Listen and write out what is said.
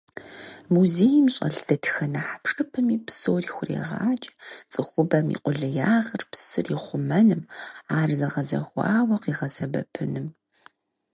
Музейм щӀэлъ дэтхэнэ хьэпшыпми псори хурегъаджэ цӀыхубэм и къулеягъыр псыр ихъумэным, ар зэгъэзэхуауэ къигъэсэбэпыным.